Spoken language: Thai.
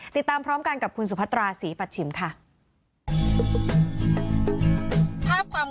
ติดตามพร้อมกันกับคุณสุพัตราศรีปัชชิมค่ะ